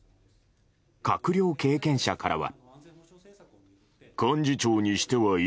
閣僚経験者からは。